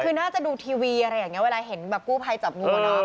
คือน่าจะดูทีวีอะไรอย่างเงี้ยเวลาเห็นกู้ภัยจับงูมาก่อน